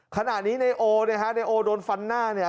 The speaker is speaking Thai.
ขณะนี้ในโอนะคะในโอโดนฟันหน้าเนี่ย